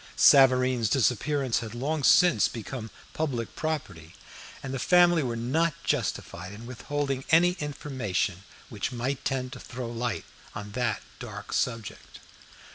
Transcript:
Savareen's disappearance had long since become public property, and the family were not justified in withholding any information which might tend to throw light on that dark subject.